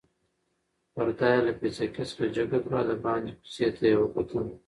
پرده یې له پیڅکې څخه جګه کړه او د باندې کوڅې ته یې وکتل.